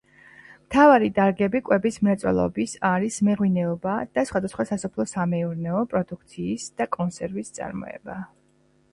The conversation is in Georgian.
მთავარი დარგები კვების მრეწველობის არის მეღვინეობა და სხვადასხვა სასოფლო-სამეურნეო პროდუქციის და კონსერვის წარმოება.